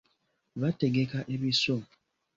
Bategeka ebiso.